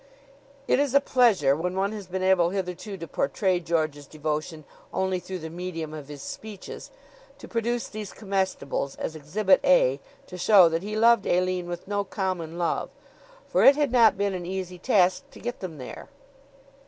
It is a pleasure, when one has been able hitherto to portray George's devotion only through the medium of his speeches, to produce these comestibles as Exhibit A, to show that he loved Aline with no common love; for it had not been an easy task to get them there.